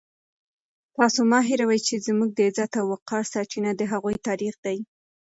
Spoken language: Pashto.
تاسو مه هېروئ چې زموږ د عزت او وقار سرچینه د هغوی تاریخ دی.